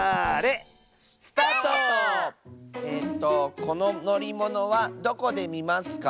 えとこののりものはどこでみますか？